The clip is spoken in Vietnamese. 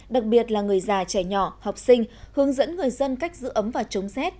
đặc biệt là người già trẻ nhỏ học sinh hướng dẫn người dân cách giữ ấm và chống rét